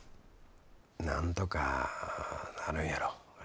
なんとかなるんやろ。